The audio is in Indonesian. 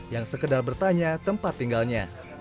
yang sekedar bertanya tempat tinggalnya